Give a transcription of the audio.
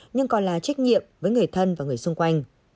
nhưng còn là trách nhiệm với người thân và người xung quanh